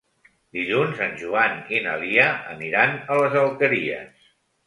Dilluns en Joan i na Lia aniran a les Alqueries.